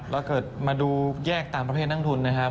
แล้วเกิดมาดูแยกตามประเภทนั่งทุนนะครับ